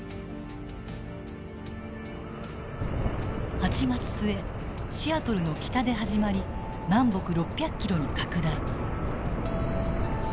８月末シアトルの北で始まり南北６００ｋｍに拡大。